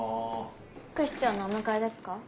副市長のお迎えですか？